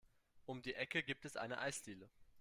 Um die Ecke gibt es eine Eisdiele.